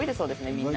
みんな。